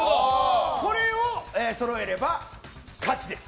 これをそろえれば勝ちです。